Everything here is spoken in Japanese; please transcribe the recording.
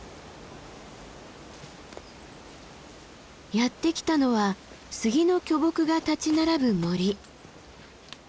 やって来たのは杉の巨木が立ち並ぶ森。